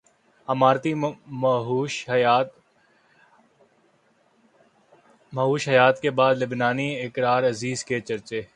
اماراتی مہوش حیات کے بعد لبنانی اقرا عزیز کے چرچے